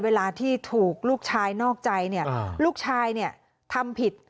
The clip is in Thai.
เวลาที่ถูกลูกชายนอกใจเนี่ยลูกชายเนี่ยทำผิด